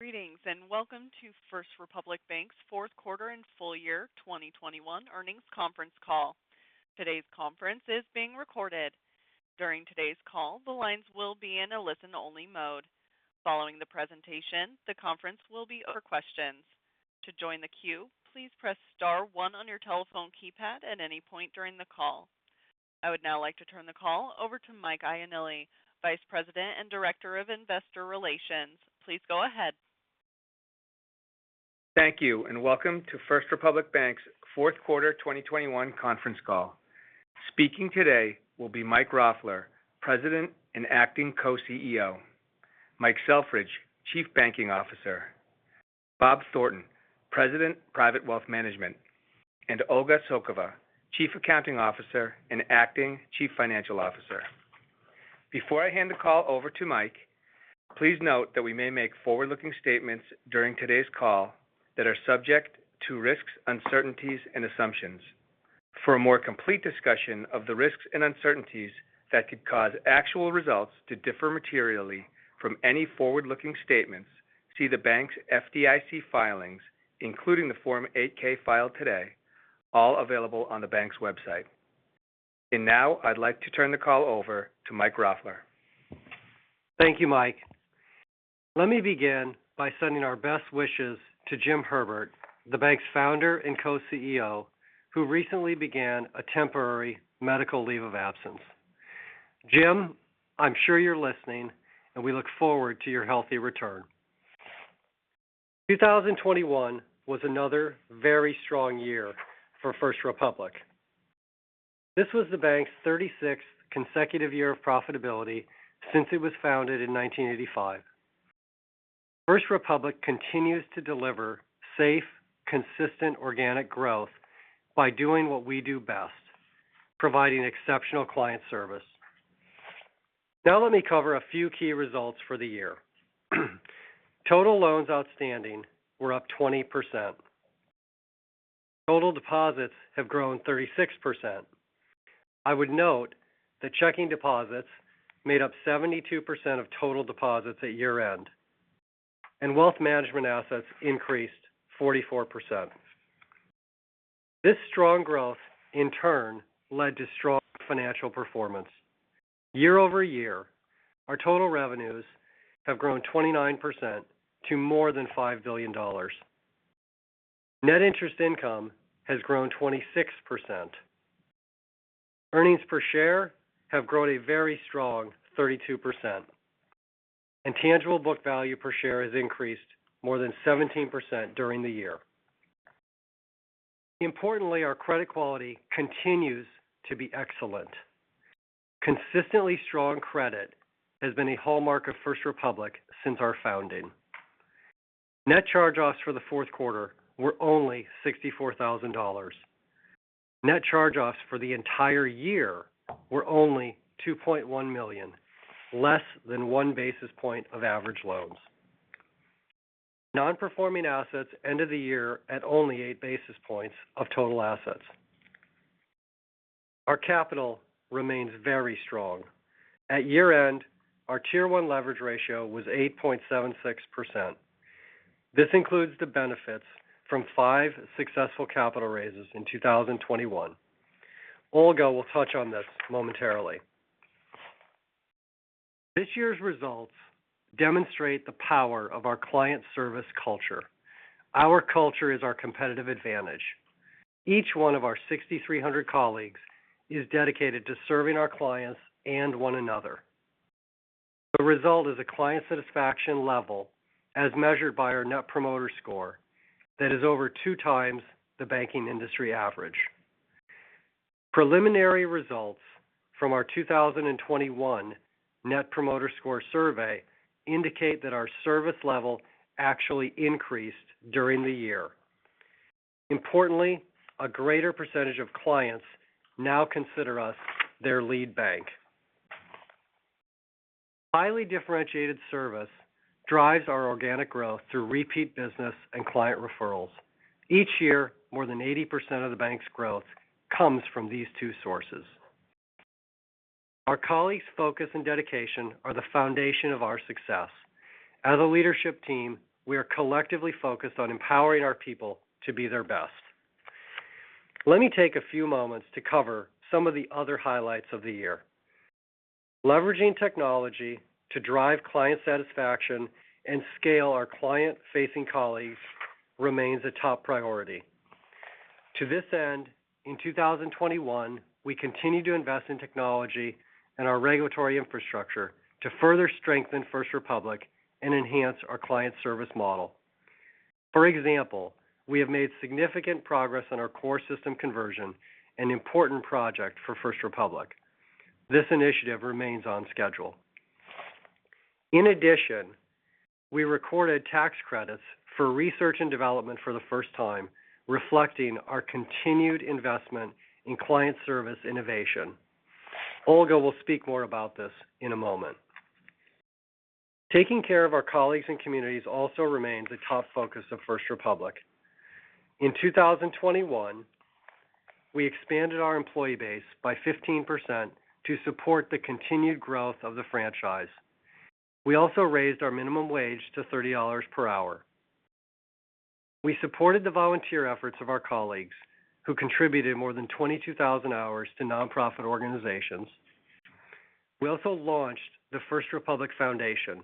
Greetings, and welcome to First Republic Bank's Fourth Quarter and Full Year 2021 Earnings Conference Call. Today's conference is being recorded. During today's call, the lines will be in a listen-only mode. Following the presentation, the conference will be open for questions. To join the queue, please press star one on your telephone keypad at any point during the call. I would now like to turn the call over to Mike Ioanilli, Vice President and Director of Investor Relations. Please go ahead. Thank you, and welcome to First Republic Bank's fourth quarter 2021 conference call. Speaking today will be Mike Roffler, President and Acting Co-CEO, Mike Selfridge, Chief Banking Officer, Bob Thornton, President, Private Wealth Management, and Olga Tsokova, Chief Accounting Officer and Acting Chief Financial Officer. Before I hand the call over to Mike, please note that we may make forward-looking statements during today's call that are subject to risks, uncertainties, and assumptions. For a more complete discussion of the risks and uncertainties that could cause actual results to differ materially from any forward-looking statements, see the bank's FDIC filings, including the form 8-K filed today, all available on the bank's website. Now I'd like to turn the call over to Mike Roffler. Thank you, Mike. Let me begin by sending our best wishes to Jim Herbert, the bank's Founder and Co-CEO, who recently began a temporary medical leave of absence. Jim, I'm sure you're listening, and we look forward to your healthy return. 2021 was another very strong year for First Republic. This was the bank's 36th consecutive year of profitability since it was founded in 1985. First Republic continues to deliver safe, consistent organic growth by doing what we do best, providing exceptional client service. Now let me cover a few key results for the year. Total loans outstanding were up 20%. Total deposits have grown 36%. I would note that checking deposits made up 72% of total deposits at year-end. Wealth management assets increased 44%. This strong growth in turn led to strong financial performance. Year-over-year, our total revenues have grown 29% to more than $5 billion. Net interest income has grown 26%. Earnings per share have grown a very strong 32%. Tangible book value per share has increased more than 17% during the year. Importantly, our credit quality continues to be excellent. Consistently strong credit has been a hallmark of First Republic since our founding. Net charge-offs for the fourth quarter were only $64,000. Net charge-offs for the entire year were only $2.1 million, less than 1 basis point of average loans. Non-performing assets end of the year at only 8 basis points of total assets. Our capital remains very strong. At year-end, our Tier 1 leverage ratio was 8.76%. This includes the benefits from five successful capital raises in 2021. Olga will touch on this momentarily. This year's results demonstrate the power of our client service culture. Our culture is our competitive advantage. Each one of our 6,300 colleagues is dedicated to serving our clients and one another. The result is a client satisfaction level as measured by our Net Promoter Score that is over 2x the banking industry average. Preliminary results from our 2021 Net Promoter Score survey indicate that our service level actually increased during the year. Importantly, a greater percentage of clients now consider us their lead bank. Highly differentiated service drives our organic growth through repeat business and client referrals. Each year, more than 80% of the bank's growth comes from these two sources. Our colleagues' focus and dedication are the foundation of our success. As a leadership team, we are collectively focused on empowering our people to be their best. Let me take a few moments to cover some of the other highlights of the year. Leveraging technology to drive client satisfaction and scale our client-facing colleagues remains a top priority. To this end, in 2021, we continued to invest in technology and our regulatory infrastructure to further strengthen First Republic and enhance our client service model. For example, we have made significant progress on our core system conversion, an important project for First Republic. This initiative remains on schedule. In addition, we recorded tax credits for research and development for the first time, reflecting our continued investment in client service innovation. Olga will speak more about this in a moment. Taking care of our colleagues and communities also remains a top focus of First Republic. In 2021, we expanded our employee base by 15% to support the continued growth of the franchise. We also raised our minimum wage to $30 per hour. We supported the volunteer efforts of our colleagues, who contributed more than 22,000 hours to nonprofit organizations. We also launched the First Republic Foundation,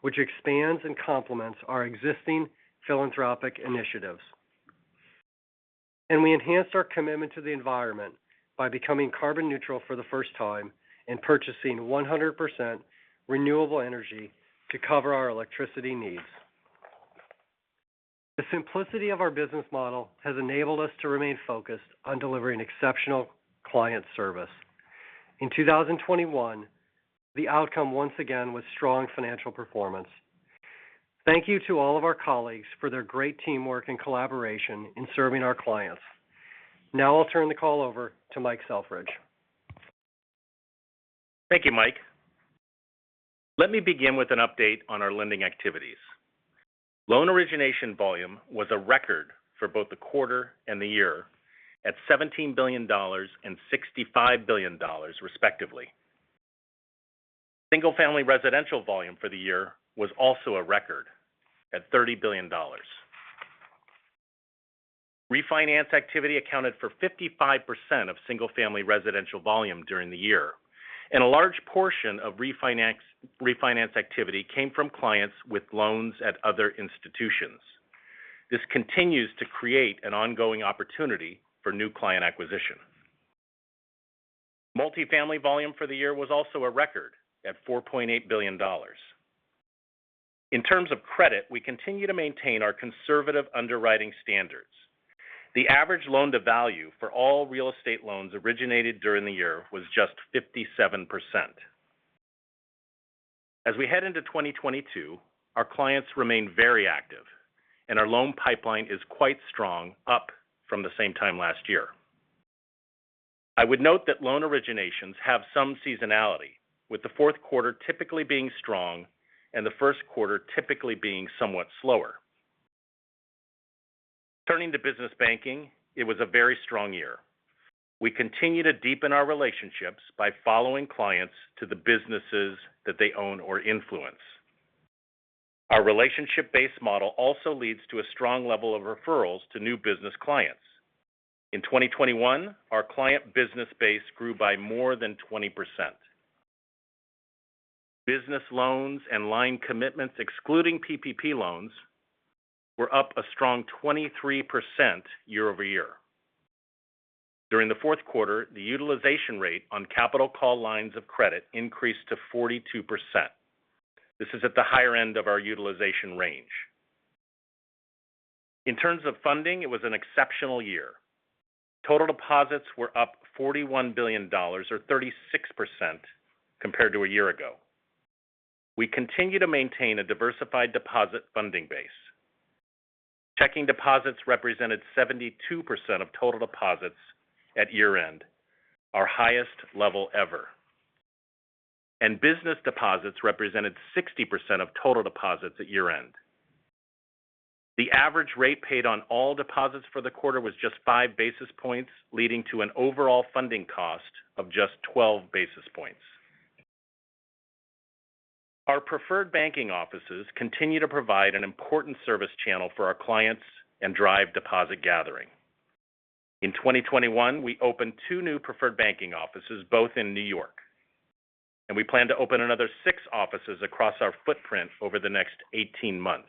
which expands and complements our existing philanthropic initiatives. We enhanced our commitment to the environment by becoming carbon neutral for the first time and purchasing 100% renewable energy to cover our electricity needs. The simplicity of our business model has enabled us to remain focused on delivering exceptional client service. In 2021, the outcome once again was strong financial performance. Thank you to all of our colleagues for their great teamwork and collaboration in serving our clients. Now I'll turn the call over to Mike Selfridge. Thank you, Mike. Let me begin with an update on our lending activities. Loan origination volume was a record for both the quarter and the year at $17 billion and $65 billion, respectively. Single-family residential volume for the year was also a record at $30 billion. Refinance activity accounted for 55% of single-family residential volume during the year, and a large portion of refinance activity came from clients with loans at other institutions. This continues to create an ongoing opportunity for new client acquisition. Multifamily volume for the year was also a record at $4.8 billion. In terms of credit, we continue to maintain our conservative underwriting standards. The average loan-to-value for all real estate loans originated during the year was just 57%. As we head into 2022, our clients remain very active, and our loan pipeline is quite strong, up from the same time last year. I would note that loan originations have some seasonality, with the fourth quarter typically being strong and the first quarter typically being somewhat slower. Turning to business banking, it was a very strong year. We continue to deepen our relationships by following clients to the businesses that they own or influence. Our relationship-based model also leads to a strong level of referrals to new business clients. In 2021, our client business base grew by more than 20%. Business loans and line commitments excluding PPP loans were up a strong 23% year over year. During the fourth quarter, the utilization rate on capital call lines of credit increased to 42%. This is at the higher end of our utilization range. In terms of funding, it was an exceptional year. Total deposits were up $41 billion or 36% compared to a year ago. We continue to maintain a diversified deposit funding base. Checking deposits represented 72% of total deposits at year-end, our highest level ever. Business deposits represented 60% of total deposits at year-end. The average rate paid on all deposits for the quarter was just 5 basis points, leading to an overall funding cost of just 12 basis points. Our preferred banking offices continue to provide an important service channel for our clients and drive deposit gathering. In 2021, we opened two new preferred banking offices, both in New York. We plan to open another six offices across our footprint over the next 18 months.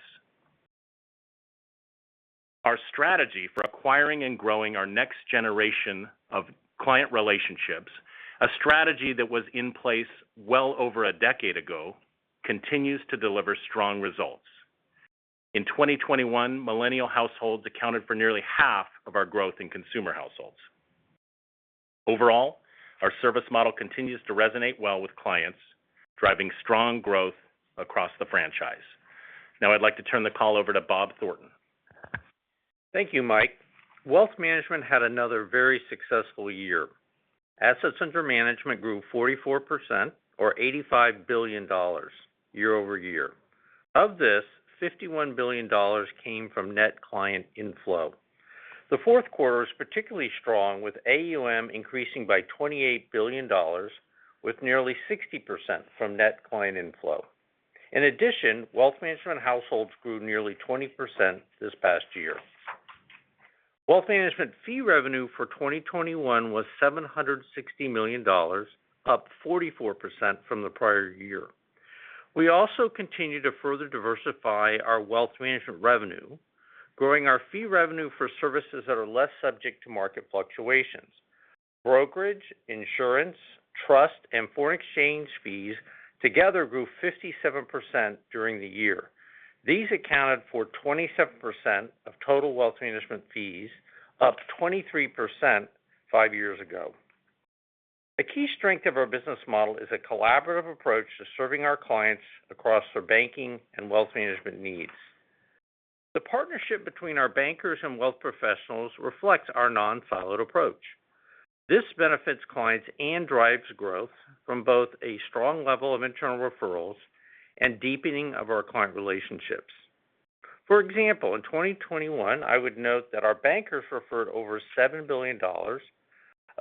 Our strategy for acquiring and growing our next generation of client relationships, a strategy that was in place well over a decade ago, continues to deliver strong results. In 2021, millennial households accounted for nearly half of our growth in consumer households. Overall, our service model continues to resonate well with clients, driving strong growth across the franchise. Now I'd like to turn the call over to Bob Thornton. Thank you, Mike. Wealth management had another very successful year. Assets under management grew 44% or $85 billion year over year. Of this, $51 billion came from net client inflow. The fourth quarter was particularly strong, with AUM increasing by $28 billion, with nearly 60% from net client inflow. In addition, wealth management households grew nearly 20% this past year. Wealth management fee revenue for 2021 was $760 million, up 44% from the prior year. We also continued to further diversify our wealth management revenue, growing our fee revenue for services that are less subject to market fluctuations. Brokerage, insurance, trust, and foreign exchange fees together grew 57% during the year. These accounted for 27% of total wealth management fees, up 23% five years ago. A key strength of our business model is a collaborative approach to serving our clients across their banking and wealth management needs. The partnership between our bankers and wealth professionals reflects our non-siloed approach. This benefits clients and drives growth from both a strong level of internal referrals and deepening of our client relationships. For example, in 2021, I would note that our bankers referred over $7 billion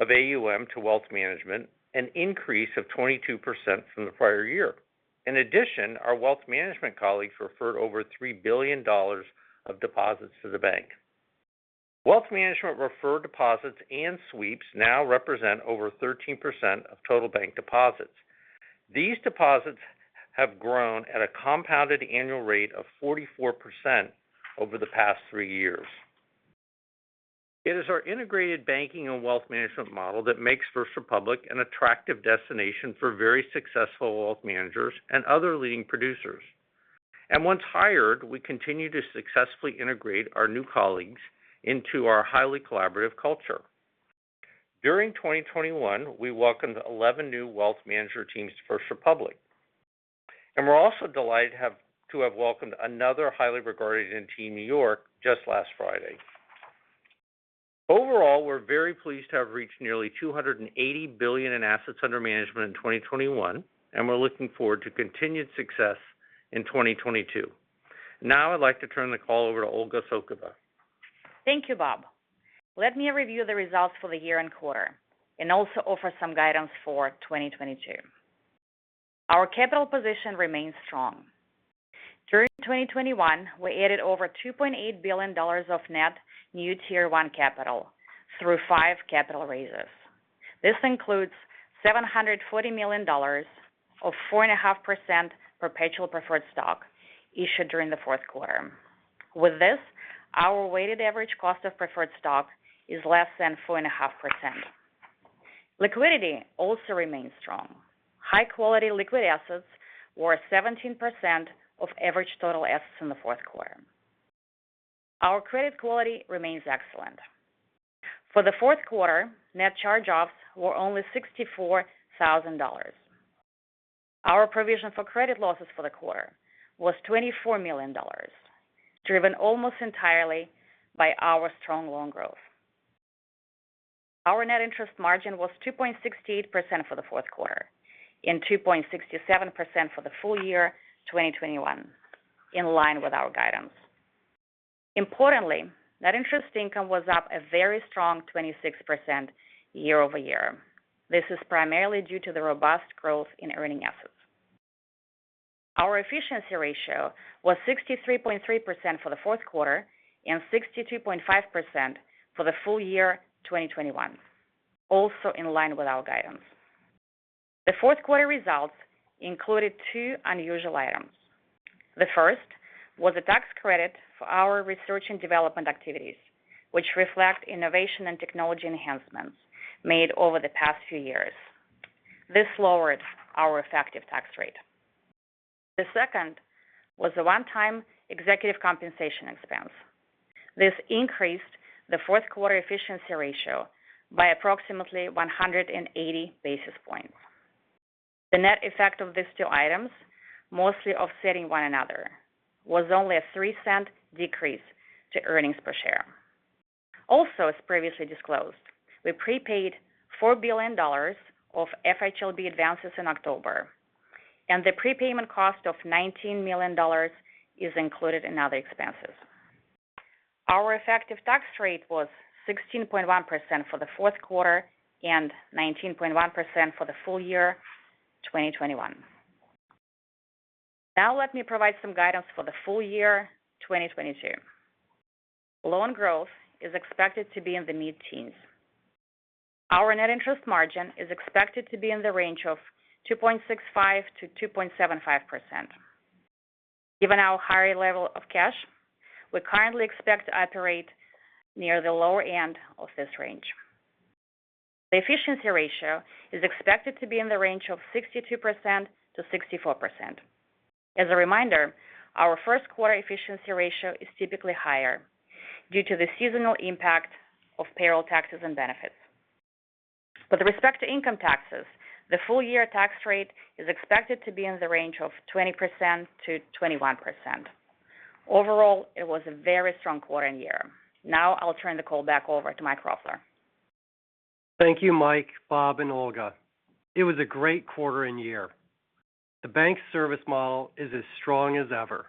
of AUM to wealth management, an increase of 22% from the prior year. In addition, our wealth management colleagues referred over $3 billion of deposits to the bank. Wealth management referred deposits and sweeps now represent over 13% of total bank deposits. These deposits have grown at a compounded annual rate of 44% over the past 3 years. It is our integrated banking and wealth management model that makes First Republic an attractive destination for very successful wealth managers and other leading producers. Once hired, we continue to successfully integrate our new colleagues into our highly collaborative culture. During 2021, we welcomed 11 new wealth manager teams to First Republic. We're also delighted to have welcomed another highly regarded team in New York just last Friday. Overall, we're very pleased to have reached nearly $280 billion in assets under management in 2021, and we're looking forward to continued success in 2022. Now I'd like to turn the call over to Olga Tsokova. Thank you, Bob. Let me review the results for the year-end quarter and also offer some guidance for 2022. Our capital position remains strong. During 2021, we added over $2.8 billion of net new Tier 1 capital through five capital raises. This includes $740 million of 4.5% perpetual preferred stock issued during the fourth quarter. With this, our weighted average cost of preferred stock is less than 4.5%. Liquidity also remains strong. High quality liquid assets were 17% of average total assets in the fourth quarter. Our credit quality remains excellent. For the fourth quarter, net charge-offs were only $64,000. Our provision for credit losses for the quarter was $24 million, driven almost entirely by our strong loan growth. Our net interest margin was 2.68% for the fourth quarter and 2.67% for the full year 2021, in line with our guidance. Importantly, net interest income was up a very strong 26% year-over-year. This is primarily due to the robust growth in earning assets. Our efficiency ratio was 63.3% for the fourth quarter and 62.5% for the full year 2021, also in line with our guidance. The fourth quarter results included two unusual items. The first was a tax credit for our research and development activities, which reflect innovation and technology enhancements made over the past few years. This lowered our effective tax rate. The second was a one-time executive compensation expense. This increased the fourth quarter efficiency ratio by approximately 180 basis points. The net effect of these two items, mostly offsetting one another, was only a $0.03 decrease to earnings per share. Also, as previously disclosed, we prepaid $4 billion of FHLB advances in October, and the prepayment cost of $19 million is included in other expenses. Our effective tax rate was 16.1% for the fourth quarter and 19.1% for the full year 2021. Now let me provide some guidance for the full year 2022. Loan growth is expected to be in the mid-teens. Our net interest margin is expected to be in the range of 2.65%-2.75%. Given our higher level of cash, we currently expect to operate near the lower end of this range. The efficiency ratio is expected to be in the range of 62%-64%. As a reminder, our first quarter efficiency ratio is typically higher due to the seasonal impact of payroll taxes and benefits. With respect to income taxes, the full year tax rate is expected to be in the range of 20%-21%. Overall, it was a very strong quarter and year. Now I'll turn the call back over to Mike Roffler. Thank you, Mike, Bob, and Olga. It was a great quarter and year. The bank service model is as strong as ever.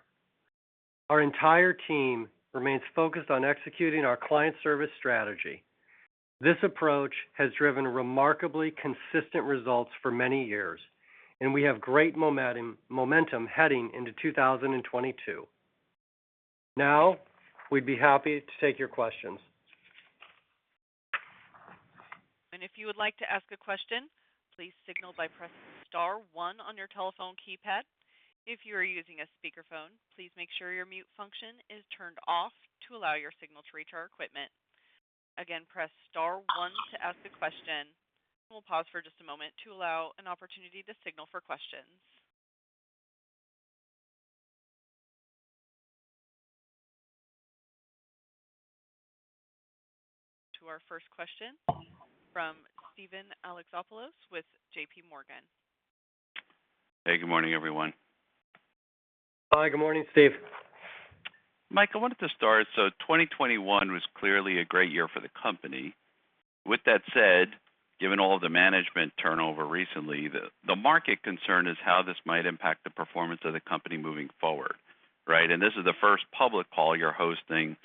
Our entire team remains focused on executing our client service strategy. This approach has driven remarkably consistent results for many years, and we have great momentum heading into 2022. Now, we'd be happy to take your questions. If you would like to ask a question, please signal by pressing star one on your telephone keypad. If you are using a speakerphone, please make sure your mute function is turned off to allow your signal to reach our equipment. Again, press star one to ask a question. We'll pause for just a moment to allow an opportunity to signal for questions. To our first question from Steven Alexopoulos with JPMorgan. Hey, Good morning, everyone. Hi, good morning, Steve. Mike, I wanted to start. 2021 was clearly a great year for the company. With that said, given all of the management turnover recently, the market concern is how this might impact the performance of the company moving forward, right? This is the first public call you're hosting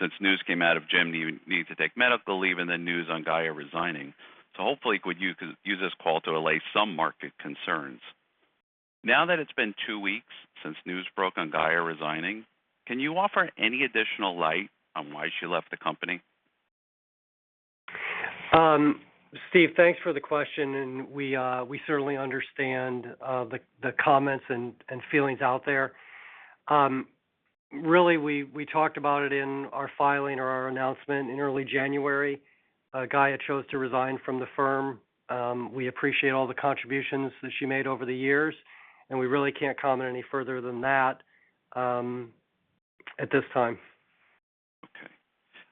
since news came out of Jim Herbert needing to take medical leave and then news on Gaye Erkan resigning. Hopefully could you use this call to allay some market concerns. Now that it's been two weeks since news broke on Gaye Erkan resigning, can you offer any additional light on why she left the company? Steve, thanks for the question, and we certainly understand the comments and feelings out there. Really, we talked about it in our filing or our announcement in early January. Gaye Erkan chose to resign from the firm. We appreciate all the contributions that she made over the years, and we really can't comment any further than that, at this time. Okay.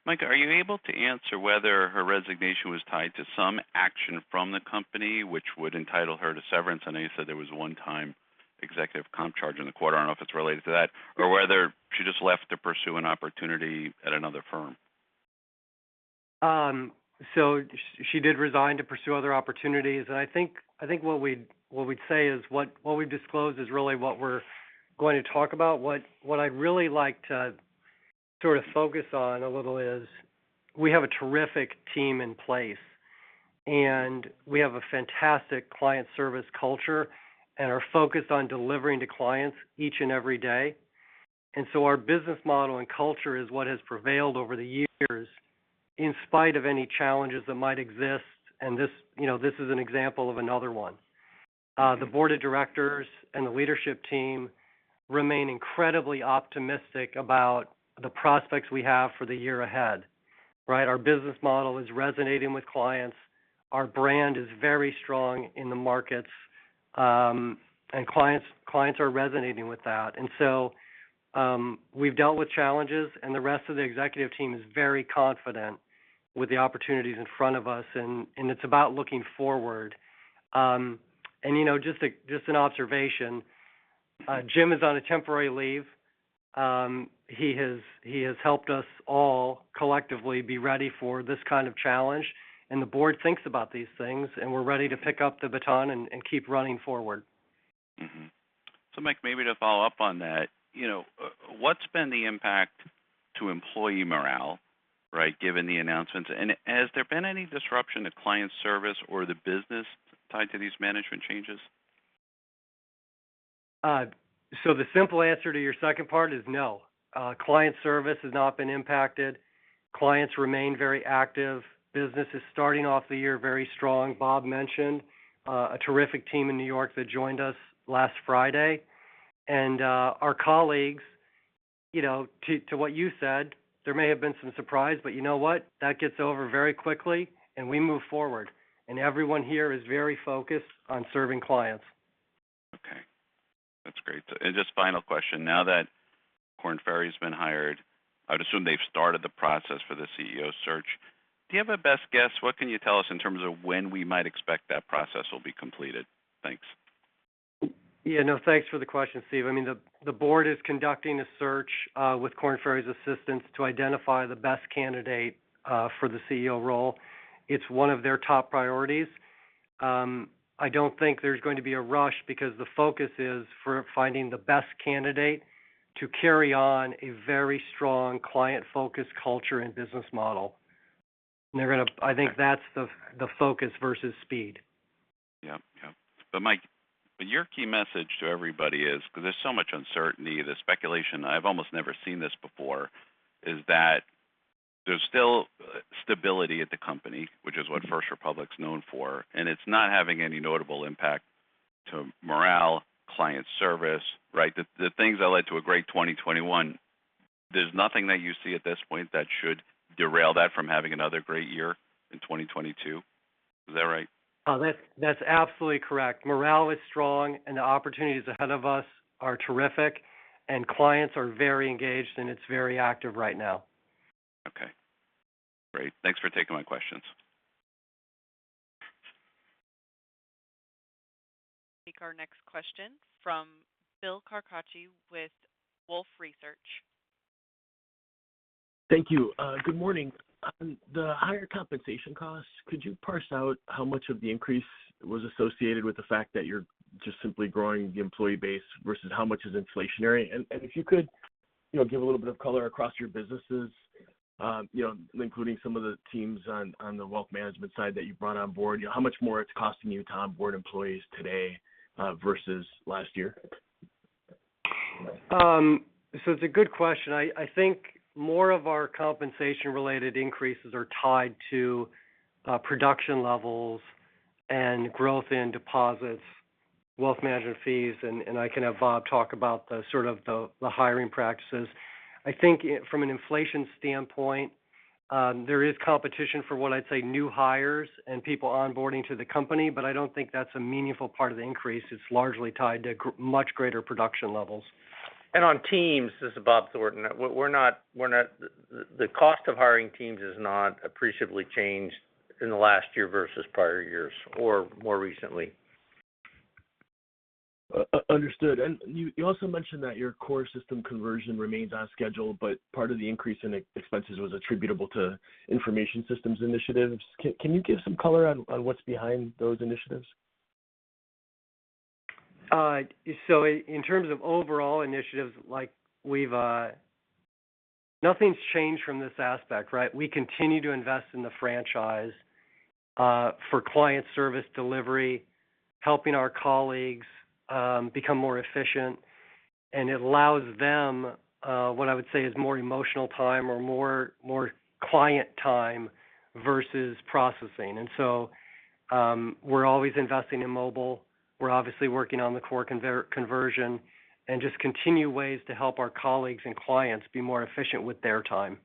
Mike, are you able to answer whether her resignation was tied to some action from the company which would entitle her to severance? I know you said there was one-time executive comp charge in the quarter. I don't know if it's related to that or whether she just left to pursue an opportunity at another firm. She did resign to pursue other opportunities. I think what we'd say is what we've disclosed is really what we're going to talk about. What I'd really like to sort of focus on a little is we have a terrific team in place, and we have a fantastic client service culture and are focused on delivering to clients each and every day. Our business model and culture is what has prevailed over the years in spite of any challenges that might exist. This, you know, this is an example of another one. The board of directors and the leadership team remain incredibly optimistic about the prospects we have for the year ahead, right? Our business model is resonating with clients. Our brand is very strong in the markets, and clients are resonating with that. We've dealt with challenges, and the rest of the executive team is very confident with the opportunities in front of us. It's about looking forward. You know, just an observation, Jim is on a temporary leave. He has helped us all collectively be ready for this kind of challenge. The board thinks about these things, and we're ready to pick up the baton and keep running forward. Mike, maybe to follow up on that, you know, what's been the impact to employee morale, right, given the announcements? Has there been any disruption to client service or the business tied to these management changes? So the simple answer to your second part is no. Client service has not been impacted. Clients remain very active. Business is starting off the year very strong. Bob mentioned a terrific team in New York that joined us last Friday. Our colleagues, you know, to what you said, there may have been some surprise, but you know what? That gets over very quickly, and we move forward. Everyone here is very focused on serving clients. Okay. That's great. Just final question. Now that Korn Ferry has been hired, I would assume they've started the process for the CEO search. Do you have a best guess? What can you tell us in terms of when we might expect that process will be completed? Thanks. Yeah, no, thanks for the question, Steve. I mean, the board is conducting a search with Korn Ferry's assistance to identify the best candidate for the CEO role. It's one of their top priorities. I don't think there's going to be a rush because the focus is for finding the best candidate to carry on a very strong client-focused culture and business model. I think that's the focus versus speed. Yeah. Mike, your key message to everybody is, because there's so much uncertainty, the speculation, I've almost never seen this before, is that there's still stability at the company, which is what First Republic's known for, and it's not having any notable impact to morale, client service, right? The things that led to a great 2021, there's nothing that you see at this point that should derail that from having another great year in 2022. Is that right? Oh, that's absolutely correct. Morale is strong, and the opportunities ahead of us are terrific. Clients are very engaged, and it's very active right now. Okay. Great. Thanks for taking my questions. Take our next question from Bill Carcache with Wolfe Research. Thank you. Good morning. On the higher compensation costs, could you parse out how much of the increase was associated with the fact that you're just simply growing the employee base versus how much is inflationary? If you could, you know, give a little bit of color across your businesses, you know, including some of the teams on the wealth management side that you brought on board, you know, how much more it's costing you to onboard employees today, versus last year. It's a good question. I think more of our compensation-related increases are tied to production levels and growth in deposits, wealth management fees. I can have Bob talk about the sort of hiring practices. I think from an inflation standpoint, there is competition for what I'd say new hires and people onboarding to the company, but I don't think that's a meaningful part of the increase. It's largely tied to much greater production levels. On teams, this is Bob Thornton. We're not. The cost of hiring teams has not appreciably changed in the last year versus prior years or more recently. Understood. You also mentioned that your core system conversion remains on schedule, but part of the increase in expenses was attributable to information systems initiatives. Can you give some color on what's behind those initiatives? In terms of overall initiatives, nothing's changed from this aspect, right? We continue to invest in the franchise for client service delivery, helping our colleagues become more efficient. It allows them what I would say is more emotional time or more client time versus processing. We're always investing in mobile. We're obviously working on the core conversion and just continue ways to help our colleagues and clients be more efficient with their time.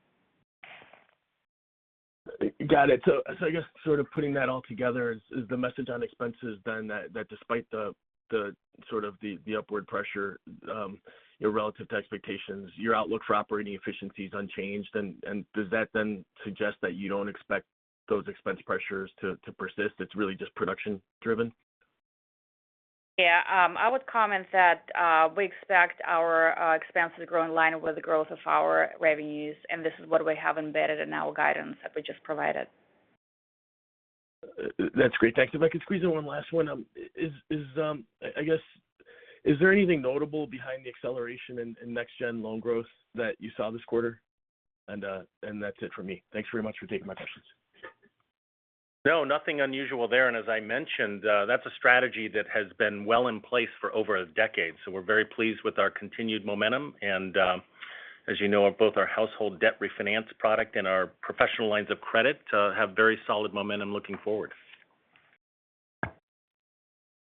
Got it. I guess sort of putting that all together, is the message on expenses then that despite the sort of the upward pressure, you know, relative to expectations, your outlook for operating efficiency is unchanged? Does that then suggest that you don't expect those expense pressures to persist, it's really just production driven? Yeah. I would comment that we expect our expenses to grow in line with the growth of our revenues, and this is what we have embedded in our guidance that we just provided. That's great. Thanks. If I could squeeze in one last one. I guess, is there anything notable behind the acceleration in next gen loan growth that you saw this quarter? That's it for me. Thanks very much for taking my questions. No, nothing unusual there. As I mentioned, that's a strategy that has been well in place for over a decade. We're very pleased with our continued momentum. As you know, both our household debt refinance product and our professional lines of credit have very solid momentum looking forward.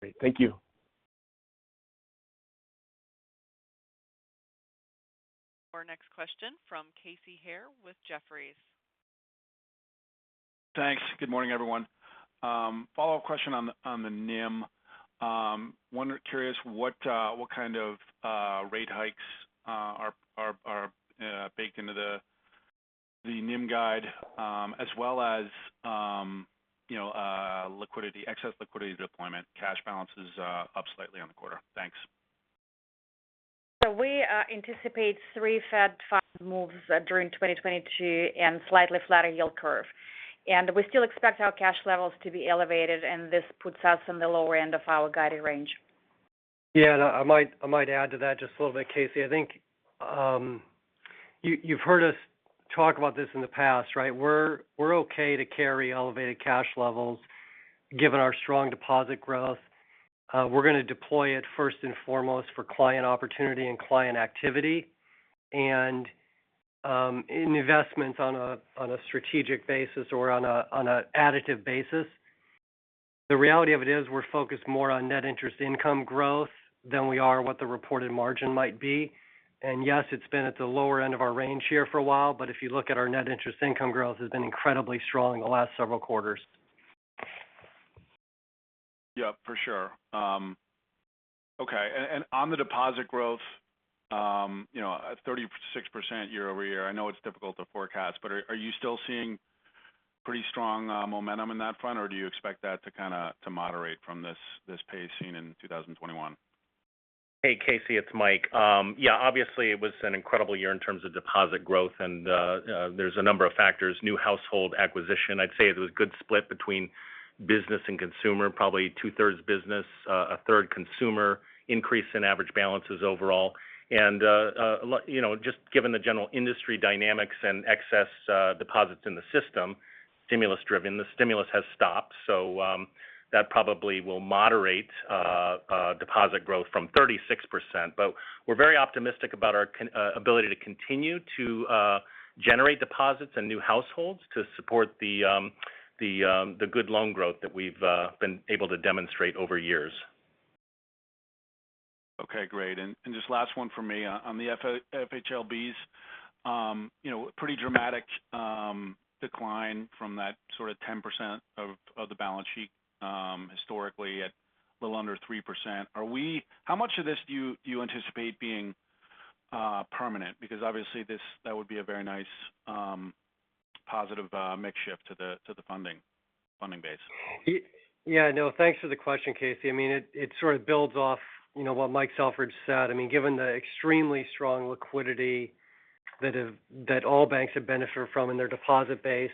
Great. Thank you. Our next question from Casey Haire with Jefferies. Thanks. Good morning, everyone. Follow-up question on the NIM. Wondering, curious what kind of rate hikes are baked into the NIM guide, as well as you know, liquidity, excess liquidity deployment. Cash balance is up slightly on the quarter. Thanks. We anticipate three Fed funds moves during 2022 and slightly flatter yield curve. We still expect our cash levels to be elevated, and this puts us in the lower end of our guided range. Yeah. I might add to that just a little bit, Casey. I think you've heard us talk about this in the past, right? We're okay to carry elevated cash levels given our strong deposit growth. We're gonna deploy it first and foremost for client opportunity and client activity and in investments on a strategic basis or on a additive basis. The reality of it is we're focused more on net interest income growth than we are what the reported margin might be. Yes, it's been at the lower end of our range here for a while, but if you look at our net interest income growth, it's been incredibly strong in the last several quarters. Yeah, for sure. Okay. On the deposit growth, you know, at 36% year-over-year, I know it's difficult to forecast, but are you still seeing pretty strong momentum in that front, or do you expect that to kind of moderate from this pace seen in 2021? Hey, Casey, it's Mike. Yeah, obviously it was an incredible year in terms of deposit growth and there's a number of factors. New household acquisition. I'd say it was a good split between business and consumer, probably two-thirds business, a third consumer. Increase in average balances overall. You know, just given the general industry dynamics and excess deposits in the system, stimulus driven. The stimulus has stopped, so that probably will moderate deposit growth from 36%. But we're very optimistic about our continued ability to continue to generate deposits and new households to support the good loan growth that we've been able to demonstrate over years. Okay, great. Just last one for me. On the FHLBs, pretty dramatic decline from that sort of 10% of the balance sheet, historically at a little under 3%. How much of this do you anticipate being permanent? Because obviously that would be a very nice positive mix shift to the funding base. Yeah, no, thanks for the question, Casey. I mean, it sort of builds off, you know, what Mike Selfridge said. I mean, given the extremely strong liquidity that all banks have benefited from in their deposit base,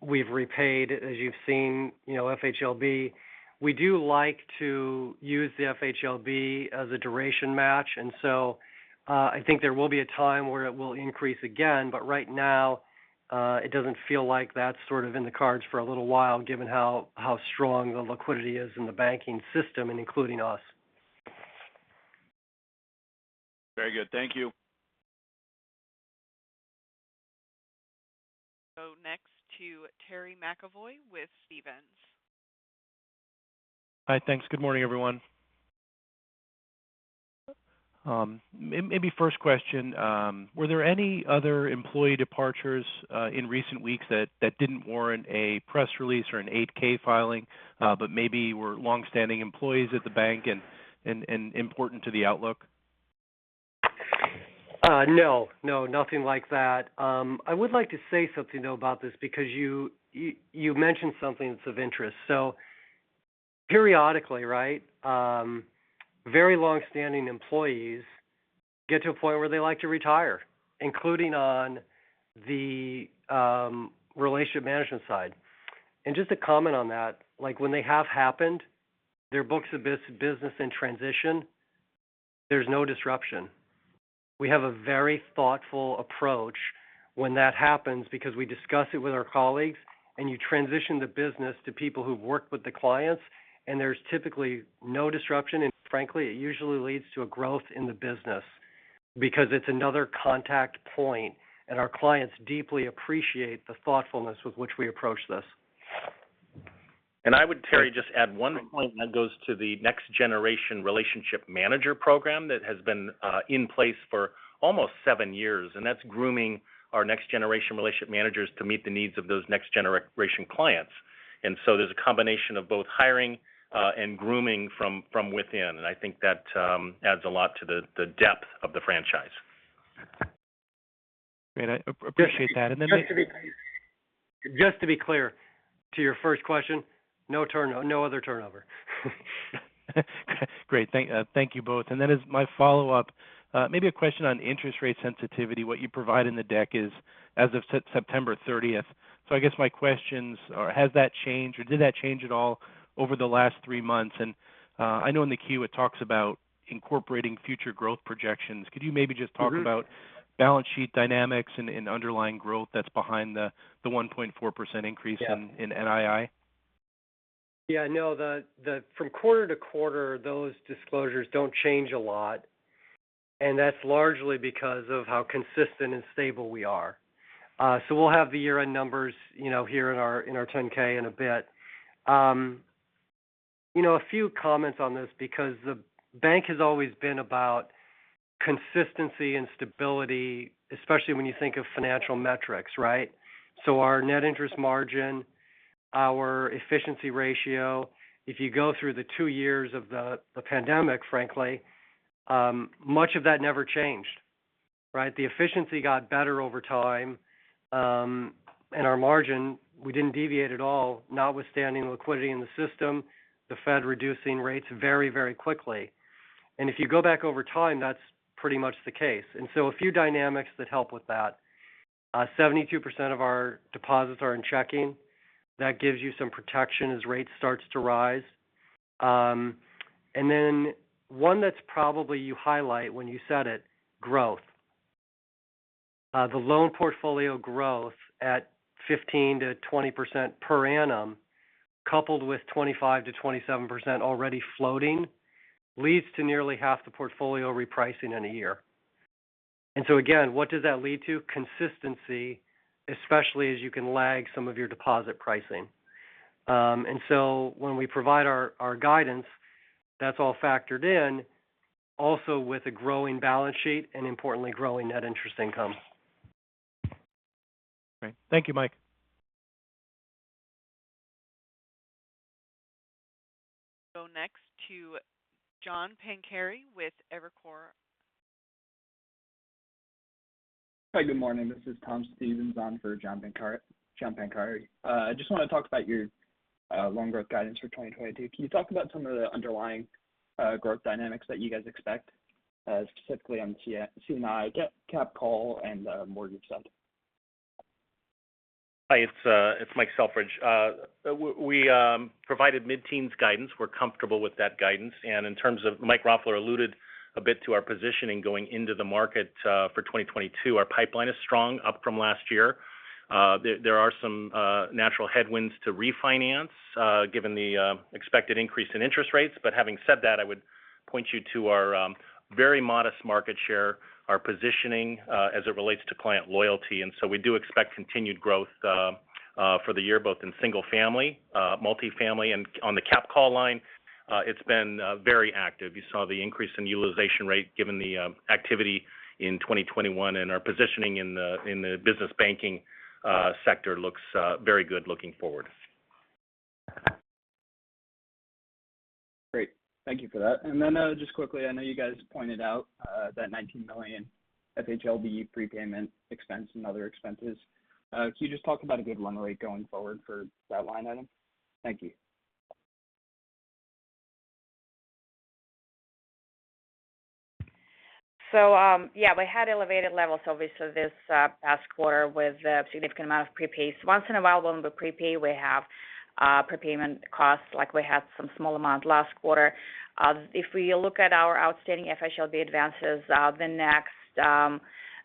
we've repaid, as you've seen, you know, FHLB. We do like to use the FHLB as a duration match. I think there will be a time where it will increase again. Right now, it doesn't feel like that's sort of in the cards for a little while, given how strong the liquidity is in the banking system and including us. Very good. Thank you. Next to Terry McEvoy with Stephens. Hi. Thanks. Good morning, everyone. Maybe first question. Were there any other employee departures in recent weeks that didn't warrant a press release or an 8-K filing, but maybe were long-standing employees at the bank and important to the outlook? No, no, nothing like that. I would like to say something, though, about this because you mentioned something that's of interest. Periodically, right, very long-standing employees get to a point where they like to retire, including on the relationship management side. Just to comment on that, like, when they have happened, their books of business in transition, there's no disruption. We have a very thoughtful approach when that happens because we discuss it with our colleagues, and you transition the business to people who've worked with the clients, and there's typically no disruption. Frankly, it usually leads to a growth in the business because it's another contact point, and our clients deeply appreciate the thoughtfulness with which we approach this. I would, Terry, just add one point that goes to the Next Generation Relationship Manager Program that has been in place for almost seven years, and that's grooming our next generation relationship managers to meet the needs of those next generation clients. There's a combination of both hiring and grooming from within. I think that adds a lot to the depth of the franchise. Great. I appreciate that. Just to be clear to your first question, no other turnover. Great. Thank you both. As my follow-up, maybe a question on interest rate sensitivity. What you provide in the deck is as of September 30th. I guess my questions are, has that changed or did that change at all over the last three months? I know in the Q it talks about incorporating future growth projections. Could you maybe just talk about balance sheet dynamics and underlying growth that's behind the 1.4% increase in NII? From quarter to quarter, those disclosures don't change a lot, and that's largely because of how consistent and stable we are. We'll have the year-end numbers, you know, here in our 10-K in a bit. You know, a few comments on this because the bank has always been about consistency and stability, especially when you think of financial metrics, right? Our net interest margin, our efficiency ratio, if you go through the two years of the pandemic, frankly, much of that never changed, right? The efficiency got better over time. Our margin, we didn't deviate at all, notwithstanding liquidity in the system, the Fed reducing rates very, very quickly. If you go back over time, that's pretty much the case. A few dynamics that help with that. 72% of our deposits are in checking. That gives you some protection as rates start to rise. One that's probably you highlight when you said it, growth. The loan portfolio growth at 15%-20% per annum, coupled with 25%-27% already floating, leads to nearly half the portfolio repricing in a year. What does that lead to? Consistency, especially as you can lag some of your deposit pricing. When we provide our guidance, that's all factored in also with a growing balance sheet and importantly growing net interest income. Great. Thank you, Mike. Go next to John Pancari with Evercore. Hi, good morning. This is Tom Stephens on for John Pancari. I just want to talk about your loan growth guidance for 2022. Can you talk about some of the underlying growth dynamics that you guys expect, specifically on C&I, CapCall and mortgage side? Hi, it's Mike Selfridge. We provided mid-teens guidance. We're comfortable with that guidance. In terms of Mike Roffler alluded a bit to our positioning going into the market for 2022. Our pipeline is strong, up from last year. There are some natural headwinds to refinance given the expected increase in interest rates. But having said that, I would point you to our very modest market share, our positioning as it relates to client loyalty. We do expect continued growth for the year, both in single-family, multifamily. On the CapCall line, it's been very active. You saw the increase in utilization rate given the activity in 2021, and our positioning in the business banking sector looks very good looking forward. Great. Thank you for that. Just quickly, I know you guys pointed out that $19 million FHLB prepayment expense and other expenses. Can you just talk about a good run rate going forward for that line item? Thank you. Yeah, we had elevated levels obviously this past quarter with a significant amount of prepays. Once in a while when we prepay, we have prepayment costs like we had some small amount last quarter. If we look at our outstanding FHLB advances, the next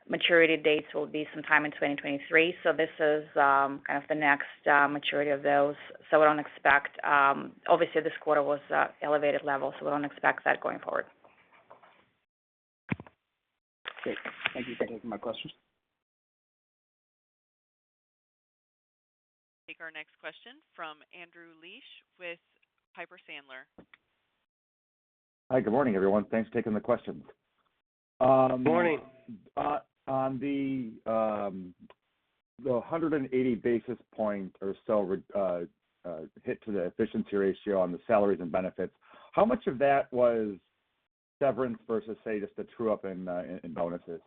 maturity dates will be sometime in 2023. This is kind of the next maturity of those. We don't expect, obviously, this quarter was elevated levels, so we don't expect that going forward. Great. Thank you. Thank you for my questions. Take our next question from Andrew Liesch with Piper Sandler. Hi, good morning, everyone. Thanks for taking the questions. Good morning. Um, uh, on the, um- The 180 basis point or so hit to the efficiency ratio on the salaries and benefits, how much of that was severance versus, say, just a true-up in bonuses?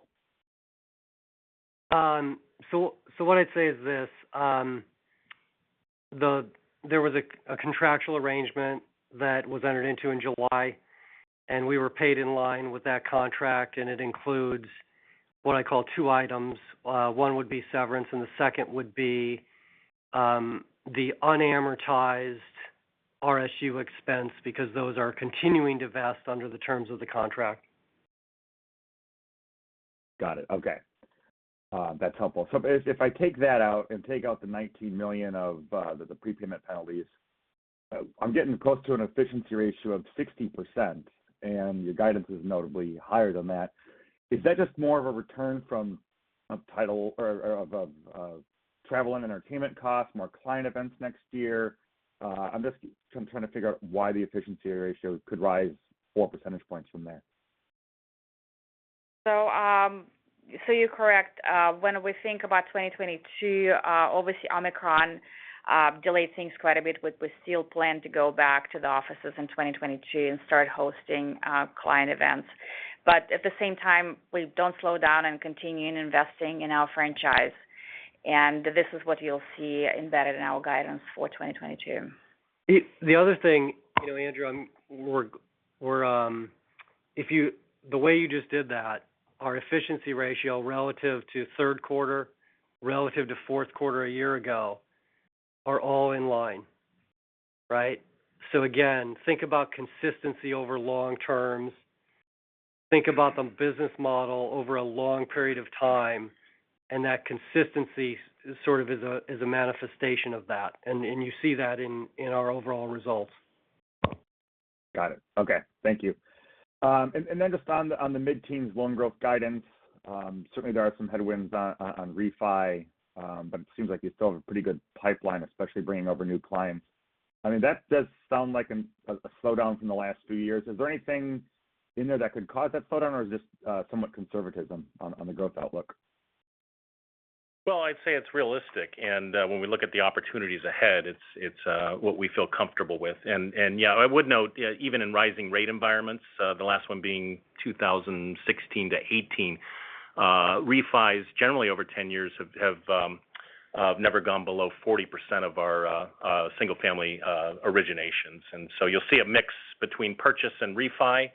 What I'd say is this. There was a contractual arrangement that was entered into in July, and we were paid in line with that contract, and it includes what I call two items. One would be severance, and the second would be the unamortized RSU expense because those are continuing to vest under the terms of the contract. Got it. Okay. That's helpful. If I take that out and take out the $19 million of the prepayment penalties, I'm getting close to an efficiency ratio of 60%, and your guidance is notably higher than that. Is that just more of a return from a title or of travel and entertainment costs, more client events next year? I'm just trying to figure out why the efficiency ratio could rise 4 percentage points from there. You're correct. When we think about 2022, obviously Omicron delayed things quite a bit. We still plan to go back to the offices in 2022 and start hosting client events. At the same time, we don't slow down and continue investing in our franchise. This is what you'll see embedded in our guidance for 2022. The other thing, you know, Andrew, the way you just did that, our efficiency ratio relative to third quarter, relative to fourth quarter a year ago are all in line, right? So again, think about consistency over long terms. Think about the business model over a long period of time, and that consistency sort of is a manifestation of that. You see that in our overall results. Got it. Okay. Thank you. Then just on the mid-teens loan growth guidance, certainly there are some headwinds on refi, but it seems like you still have a pretty good pipeline, especially bringing over new clients. I mean, that does sound like a slowdown from the last few years. Is there anything in there that could cause that slowdown or is this somewhat conservatism on the growth outlook? Well, I'd say it's realistic. When we look at the opportunities ahead, it's what we feel comfortable with. Yeah, I would note, even in rising rate environments, the last one being 2016-2018, refis generally over 10 years have never gone below 40% of our single-family originations. You'll see a mix between purchase and refi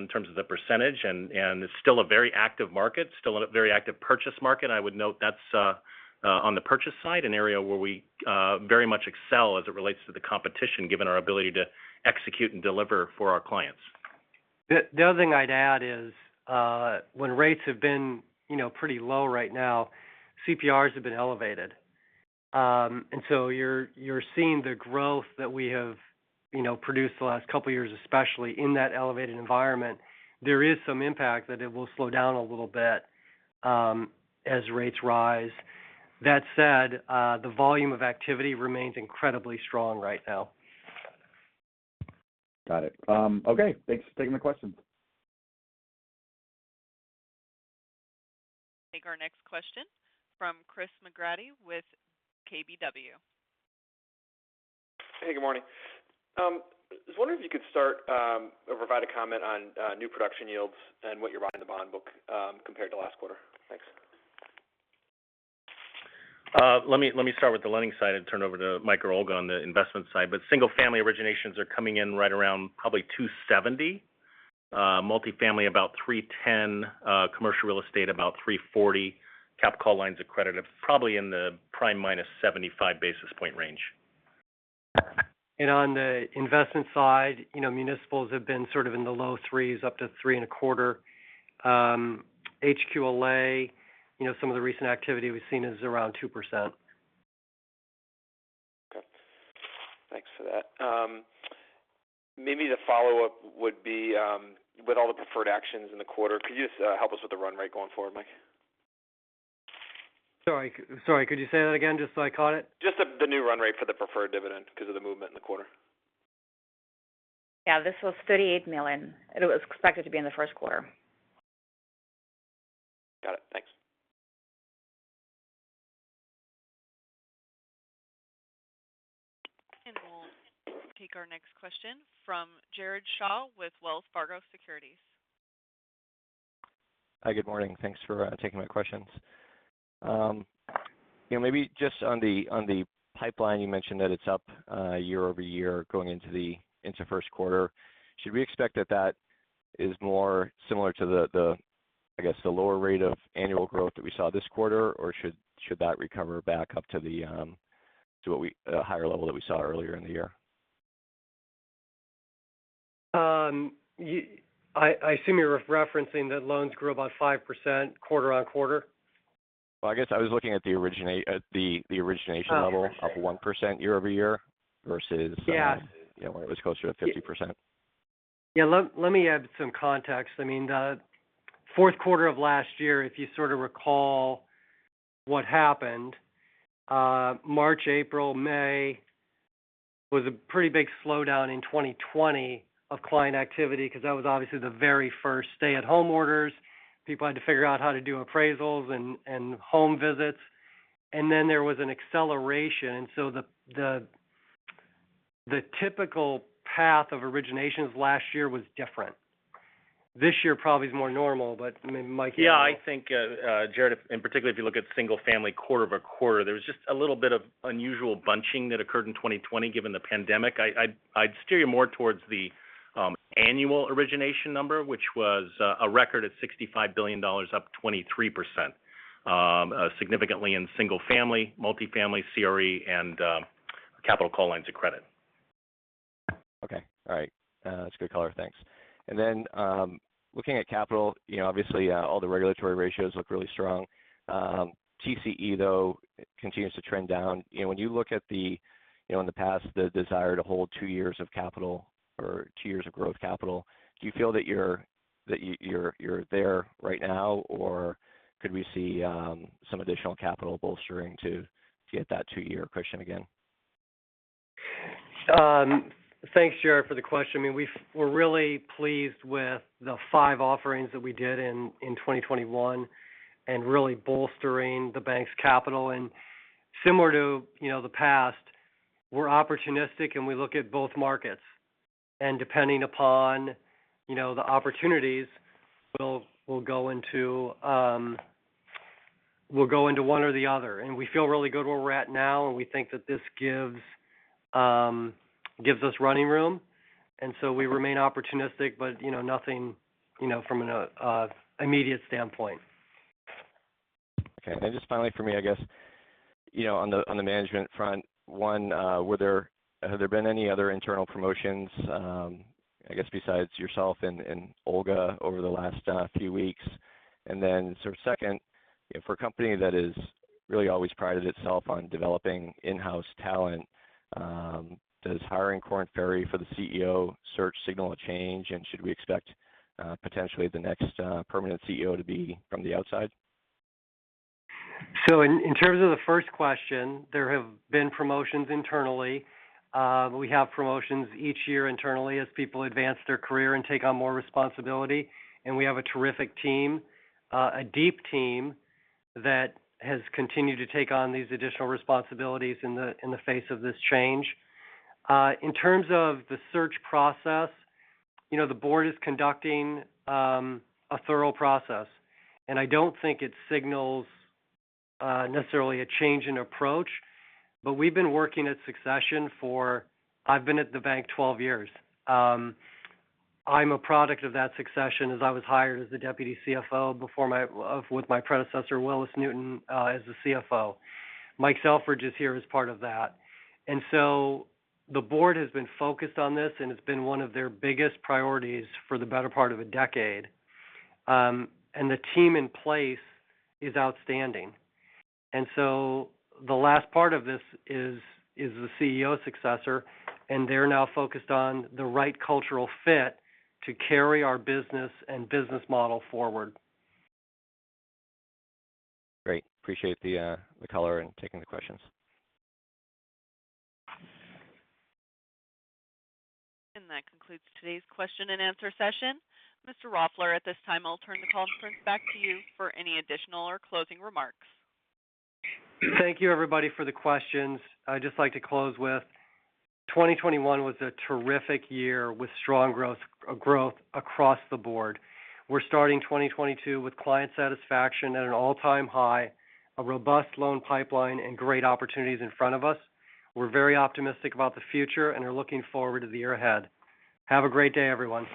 in terms of the percentage. It's still a very active market, still a very active purchase market. I would note that's on the purchase side, an area where we very much excel as it relates to the competition, given our ability to execute and deliver for our clients. The other thing I'd add is when rates have been you know pretty low right now, CPRs have been elevated. You're seeing the growth that we have you know produced the last couple of years, especially in that elevated environment. There is some impact that it will slow down a little bit as rates rise. That said, the volume of activity remains incredibly strong right now. Got it. Okay. Thanks for taking the question. Take our next question from Chris McGratty with KBW. Hey, good morning. I was wondering if you could start, or provide a comment on, new production yields and what you're buying the bond book, compared to last quarter? Thanks. Let me start with the lending side and turn over to Mike or Olga on the investment side. Single-family originations are coming in right around probably $270 million. Multifamily about $310 million. Commercial real estate about $340 million. Cap call lines of credit are probably in the prime -75 basis points range. On the investment side, you know, municipals have been sort of in the low 3%, up to 3.25%. HQLA, you know, some of the recent activity we've seen is around 2%. Okay. Thanks for that. Maybe the follow-up would be, with all the preferred actions in the quarter, could you just help us with the run rate going forward, Mike? Sorry. Could you say that again just so I caught it? Just the new run rate for the preferred dividend because of the movement in the quarter. Yeah. This was $38 million. It was expected to be in the first quarter. Got it. Thanks. We'll take our next question from Jared Shaw with Wells Fargo Securities. Hi, good morning. Thanks for taking my questions. You know, maybe just on the pipeline, you mentioned that it's up year over year going into the first quarter. Should we expect that is more similar to, I guess, the lower rate of annual growth that we saw this quarter? Should that recover back up to a higher level that we saw earlier in the year? I assume you're referencing that loans grew about 5% quarter-over-quarter. Well, I guess I was looking at the origination level of 1% year-over-year versus- Yeah. you know, when it was closer to 50%. Yeah. Let me add some context. I mean, the fourth quarter of last year, if you sort of recall what happened- March, April, May was a pretty big slowdown in 2020 of client activity, 'cause that was obviously the very first stay-at-home orders. People had to figure out how to do appraisals and home visits. Then there was an acceleration. The typical path of originations last year was different. This year probably is more normal, but I mean, Mike- Yeah, I think, Jared, in particular, if you look at single-family quarter-over-quarter, there was just a little bit of unusual bunching that occurred in 2020 given the pandemic. I'd steer you more towards the annual origination number, which was a record at $65 billion, up 23%, significantly in single-family, multifamily, CRE, and capital call lines of credit. Okay. All right. That's a good color. Thanks. Looking at capital, you know, obviously, all the regulatory ratios look really strong. TCE, though, continues to trend down. You know, when you look at the, you know, in the past, the desire to hold two years of capital or two years of growth capital, do you feel that you're there right now? Or could we see some additional capital bolstering to get that two-year cushion again? Thanks, Jared, for the question. I mean, we're really pleased with the five offerings that we did in 2021 and really bolstering the bank's capital. Similar to the past, we're opportunistic, and we look at both markets. Depending upon the opportunities, we'll go into one or the other. We feel really good where we're at now, and we think that this gives us running room. We remain opportunistic, but nothing from an immediate standpoint. Okay. Just finally for me, I guess, you know, on the management front, one, have there been any other internal promotions, I guess besides yourself and Olga over the last few weeks? Second, for a company that has really always prided itself on developing in-house talent, does hiring Korn Ferry for the CEO search signal a change? Should we expect potentially the next permanent CEO to be from the outside? In terms of the first question, there have been promotions internally. We have promotions each year internally as people advance their career and take on more responsibility. We have a terrific team, a deep team that has continued to take on these additional responsibilities in the face of this change. In terms of the search process, you know, the board is conducting a thorough process, and I don't think it signals necessarily a change in approach. We've been working at succession. I've been at the bank 12 years. I'm a product of that succession as I was hired as the deputy CFO with my predecessor, Willis Newton, as the CFO. Mike Selfridge is here as part of that. The board has been focused on this, and it's been one of their biggest priorities for the better part of a decade. The team in place is outstanding. The last part of this is the CEO successor, and they're now focused on the right cultural fit to carry our business and business model forward. Great. Appreciate the color and taking the questions. That concludes today's question and answer session. Mr. Roffler, at this time, I'll turn the conference back to you for any additional or closing remarks. Thank you, everybody, for the questions. I'd just like to close with 2021 was a terrific year with strong growth across the board. We're starting 2022 with client satisfaction at an all-time high, a robust loan pipeline, and great opportunities in front of us. We're very optimistic about the future and are looking forward to the year ahead. Have a great day, everyone.